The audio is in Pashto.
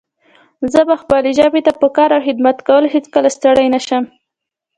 زه به خپلې ژبې ته په کار او خدمت کولو هيڅکله ستړی نه شم